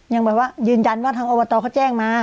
ยังแบบว่ายืนยันว่าทางอบตเขาแจ้งมา